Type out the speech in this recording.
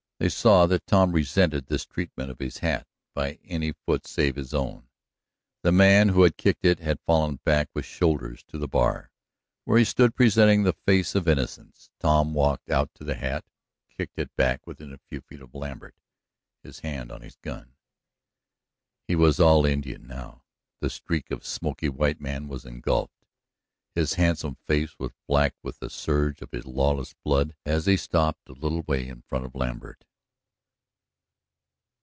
They saw that Tom resented this treatment of his hat by any foot save his own. The man who had kicked it had fallen back with shoulders to the bar, where he stood presenting the face of innocence. Tom walked out to the hat, kicked it back within a few feet of Lambert, his hand on his gun. He was all Indian now; the streak of smoky white man was engulfed. His handsome face was black with the surge of his lawless blood as he stopped a little way in front of Lambert.